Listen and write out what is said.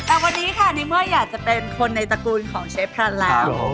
แล้ววันนี้ค่ะนิ้มเมอร์อยากจะเป็นคนในตระกูลของเชฟพลาแล้ว